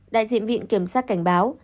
đại diện viện kiểm sát cảnh báo